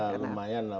ya lumayan lah